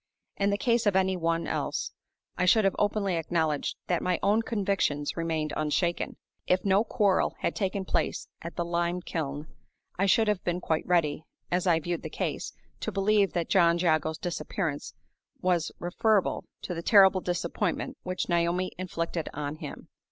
In the case of any one else, I should have openly acknowledged that my own convictions remained unshaken. If no quarrel had taken place at the lime kiln, I should have been quite ready, as I viewed the case, to believe that John Jago's disappearance was referable to the terrible disappointment which Naomi had inflicted on him.